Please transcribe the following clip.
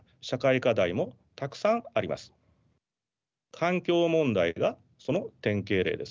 環境問題がその典型例です。